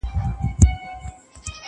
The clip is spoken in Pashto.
زما له لاسه په عذاب ټول انسانان دي!.